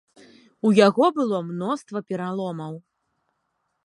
У яго было мноства пераломаў.